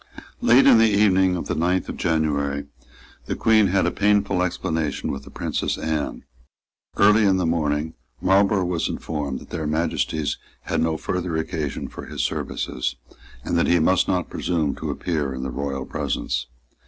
Late in the evening of the ninth of January the Queen had a painful explanation with the Princess Anne. Early the next morning Marlborough was informed that their Majesties had no further occasion for his services, and that he must not presume to appear in the royal presence.